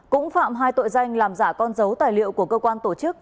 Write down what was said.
cũng phạm hai tội danh làm giả con dấu tài liệu của cơ quan tổ chức